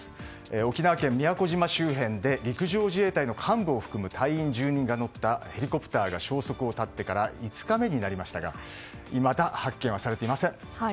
沖縄県宮古島周辺で陸上自衛隊の幹部を含む隊員１０人が乗ったヘリコプターが消息を絶ってから５日目になりましたがいまだ発見はされていません。